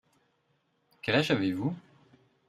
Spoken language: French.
Quel âge avez-vous ?